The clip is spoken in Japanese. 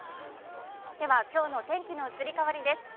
では今日の天気の移り変わりです。